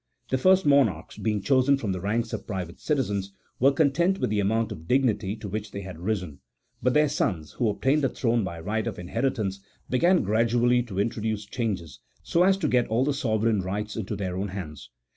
The first monarchs, being chosen from the ranks of private citizens, were content with the amount of dignity to which they had risen ; but their sons, who obtained the throne by right of inheritance, began gradually to introduce changes, so as to get all the sovereign rights into their own hands.